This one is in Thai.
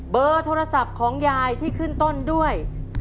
เบอร์โทรศัพท์ของยายที่ขึ้นต้นด้วย